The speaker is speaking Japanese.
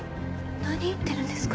何言ってるんですか？